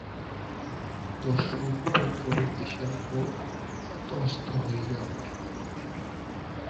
দস্যুর উপদ্রবে দেশের লোক ত্রস্ত হইয়া উঠিল।